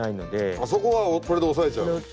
あっそこはこれで押さえちゃう。